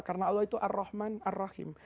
karena allah itu ar rohman ar rohim